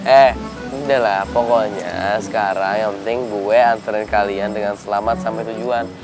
eh udah lah pokoknya sekarang yang penting gue anterin kalian dengan selamat sama tujuan